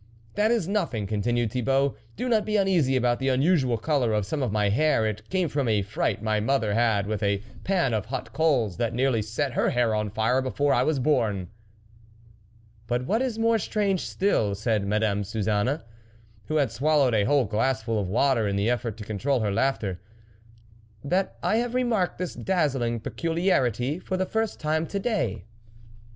That is nothing," continued Thibault, "do not be uneasy about the unusual colour of some of my hair ; it came from a fright my mother had with a pan of hot coals, that nearly set her hair on fire be fore I was born." " But what is more strange still," said Madame Suzanne, who had swallowed a whole glassful of water in the effort to control her laughter, "that I have re marked this dazzling peculiarity for the first time to day."